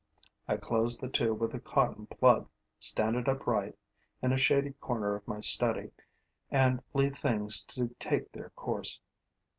I close the tube with a cotton plug, stand it upright, in a shady corner of my study, and leave things to take their course.